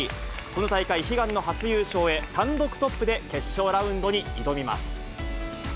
この大会、悲願の初優勝へ、単独トップで決勝ラウンドに挑みます。